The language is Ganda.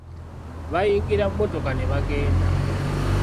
Baayingira mmotoka ne bagenda.